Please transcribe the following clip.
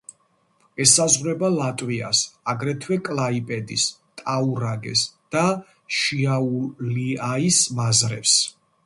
ესაზღვრება ლატვიას, აგრეთვე კლაიპედის, ტაურაგეს და შიაულიაის მაზრებს.